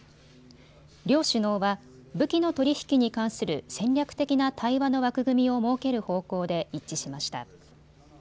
両首脳は武器の取り引きに関する戦略的な対話の枠組みを設ける方向で一致しました。